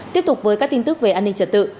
tiếp tục với các tin tức về an ninh trật tự